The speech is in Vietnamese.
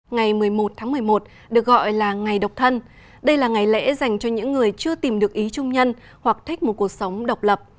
ngày một mươi một tháng một mươi một được gọi là ngày độc thân đây là ngày lễ dành cho những người chưa tìm được ý chung nhân hoặc thích một cuộc sống độc lập